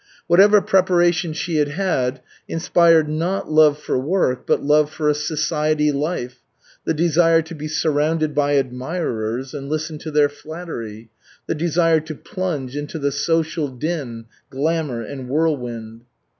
Whatever preparation she had had inspired not love for work but love for a "society" life, the desire to be surrounded by admirers and listen to their flattery, the desire to plunge into the social din, glamor and whirlwind.